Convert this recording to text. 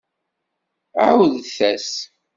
Ɛawdet-as!